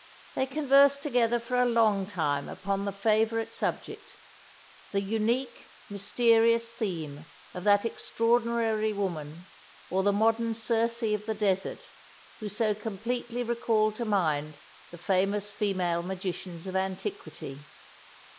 They conversed together for a long time upon the favourite subject the unique, mysterious theme of that extraordinary woman, or the modern Circe of the Desert, who so completely recalled to mind the famous female magicians of antiquity.